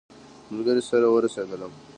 ملګري سره ورسېدلم.